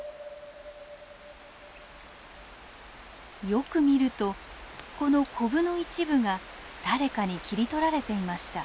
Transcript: よく見るとこのコブの一部が誰かに切り取られていました。